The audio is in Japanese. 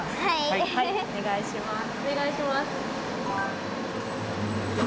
はいお願いします。